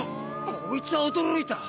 こいつは驚いた。